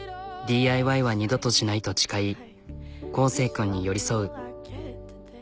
ＤＩＹは二度としないと誓い昂生君に寄り添う。